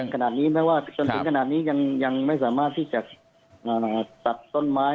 จนถึงขนาดนี้ยังไม่สามารถที่จะตัดต้นไม้